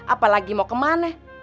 apa lagi mau kemana